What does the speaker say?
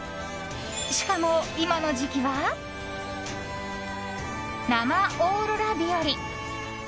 しかも今の時期は生オーロラ日和。